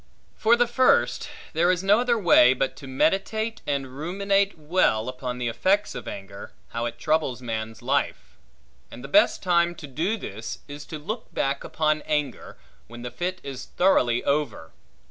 For the first; there is no other way but to meditate, and ruminate well upon the effects of anger, how it troubles man's life. And the best time to do this, is to look back upon anger, when the fit is thoroughly over.